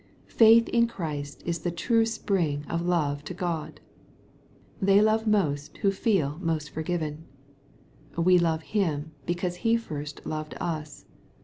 Faith in Christ is the true spring of love to GKxL They .ove most who feel most forgiven, "We love him because he first loved us."